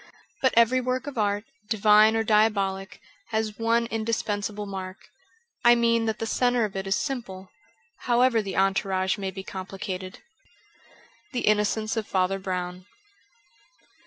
But every work of art, divine or diabolic, has one indispensable mark — I mean that the centre of it is simple, however the entourage may be complicated. ^The Innocence of Father Brown.'